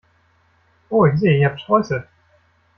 Oh, ich sehe, ihr habt Streusel!